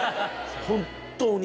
本っ当に！